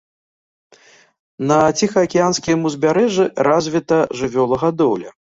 На ціхаакіянскім узбярэжжы развіта жывёлагадоўля.